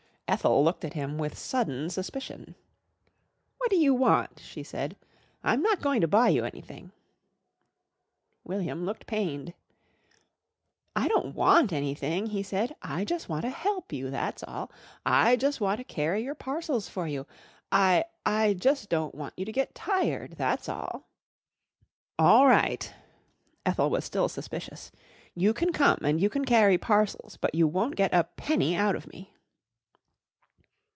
Ethel looked at him with sudden suspicion. "What do you want?" she said. "I'm not going to buy you anything." William looked pained. "I don't want anything," he said. "I jus' want to help you, that's all. I jus' want to carry your parcels for you. I I jus' don't want you to get tired, that's all." "All right." Ethel was still suspicious. "You can come and you can carry parcels, but you won't get a penny out of me."